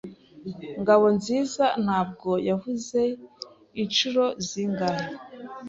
Ngabonziza ntabwo yavuze inshuro zingahe.